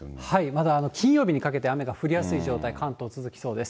まだ金曜日にかけて、雨が降りやすい状態、関東続きそうです。